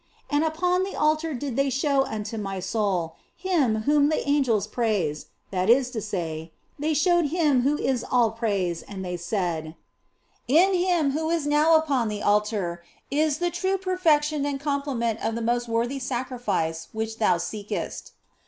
And upon the altar did they show unto my soul Him whom the angels praise, that is to say, they showed Him who is all praise ; and they said " In Him who is now upon the altar is the true perfec tion and complement of the most worthy sacrifice which thou seekest.